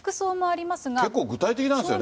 結構、具体的なんですよね。